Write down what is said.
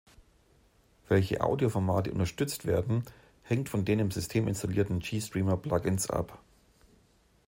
Welche Audioformate unterstützt werden, hängt von den im System installierten Gstreamer-Plugins ab.